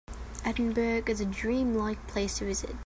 Edinburgh is a dream-like place to visit.